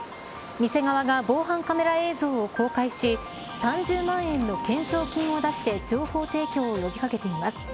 店側が防犯カメラ映像を公開し３０万円の懸賞金を出して情報提供を呼び掛けています。